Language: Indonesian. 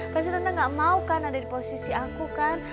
pasti tante gak mau kan ada di posisi aku kan